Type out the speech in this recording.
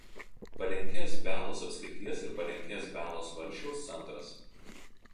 Palenkės Bialos apskrities ir Palenkės Bialos valsčiaus centras.